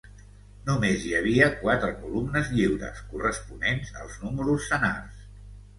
Només hi havia quatre columnes lliures, corresponents als números senars.